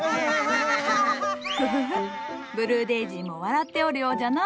ふふふっブルーデージーも笑っておるようじゃの。